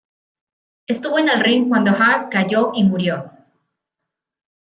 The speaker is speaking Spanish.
Estuvo en el ring cuando Hart cayó y murió.